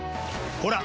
ほら！